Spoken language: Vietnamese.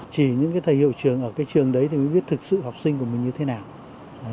chỉ những cái thầy hiệu trường ở cái trường đấy thì mới biết thực sự học sinh của mình như thế nào